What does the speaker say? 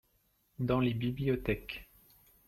Dans les bibliothèques.